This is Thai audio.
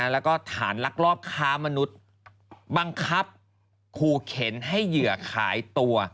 แล้วก็ฐานลักลอบค้ามนุษย์บังคับขู่เข็นให้เหยื่อขายตัว